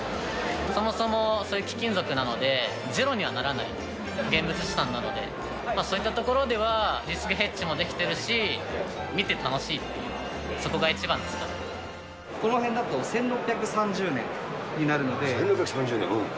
そもそもそういう貴金属なので、ゼロにはならない、現物資産なので、そういったところでは、リスクヘッジもできてるし、このへんだと、１６３０年に１６３０年。